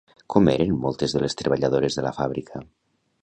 Com eren moltes de les treballadores de la fàbrica?